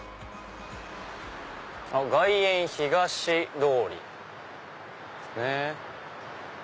「外苑東通り」ですね。